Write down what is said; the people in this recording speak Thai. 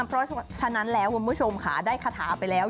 เพราะฉะนั้นแล้วคุณผู้ชมค่ะได้คาถาไปแล้ว